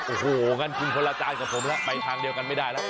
โอ้โหงั้นกินคนละจานกับผมแล้วไปทางเดียวกันไม่ได้แล้ว